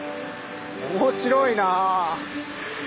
面白いな。